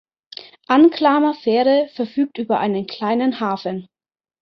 Anklamer Fähre verfügt über einen kleinen Hafen.